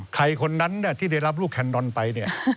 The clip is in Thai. ใครคนนั้นที่ได้รับลูกแคนนอนไป